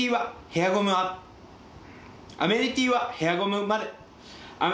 アメニティーはヘアゴムまで。